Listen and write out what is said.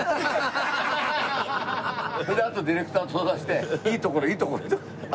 そのあとディレクターと相談して「いいところいいところ」。